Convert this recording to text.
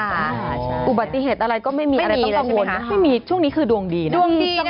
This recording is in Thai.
อ่าใช่อุบัติเหตุอะไรก็ไม่มีอะไรไม่มีอะไรใช่ไหมคะไม่มีช่วงนี้คือดวงดีนะ